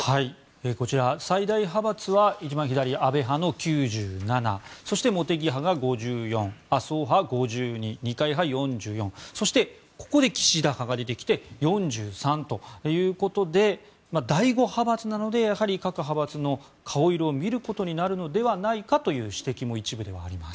こちら最大派閥は一番左、安倍派の９７そして、茂木派が５４麻生派、５２二階派、４４そしてここで岸田派が出てきて４３ということで第５派閥なのでやはり各派閥の顔色を見ることになるのではないかという指摘も一部ではあります。